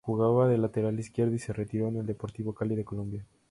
Jugaba de lateral izquierdo y se retiró en el Deportivo Cali de Colombia.